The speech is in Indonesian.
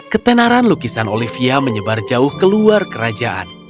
ketenaran lukisan olivia menyebar jauh ke luar kerajaan